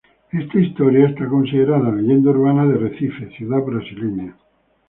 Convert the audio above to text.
La historia está considerada leyenda urbana de Recife, ciudad brasileña.